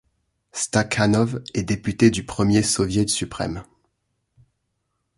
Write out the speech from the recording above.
Stakhanov est député du premier Soviet suprême.